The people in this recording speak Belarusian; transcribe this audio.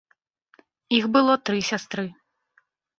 Іх было тры сястры.